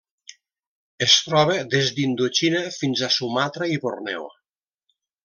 Es troba des d'Indoxina fins a Sumatra i Borneo.